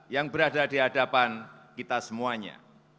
yang berada di hadapan kita semuanya